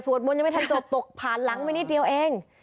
มนต์ยังไม่ทันจบตกผ่านหลังไปนิดเดียวเอง